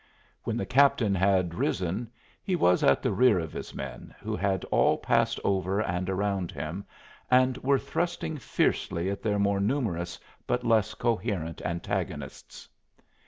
When the captain had risen he was at the rear of his men, who had all passed over and around him and were thrusting fiercely at their more numerous but less coherent antagonists.